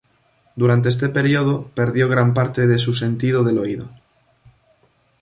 Durante este periodo perdió gran parte de su sentido del oído.